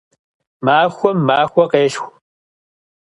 Махуэм махуэ къелъху.